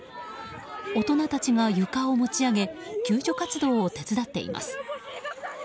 大人たちが床を持ち上げ救助活動を手伝っています。